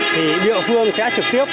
thì địa phương sẽ trực tiếp